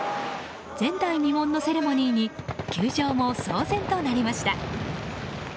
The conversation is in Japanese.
前代未聞のセレモニーに球場も騒然となりました。